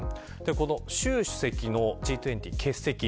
習主席のＧ２０欠席。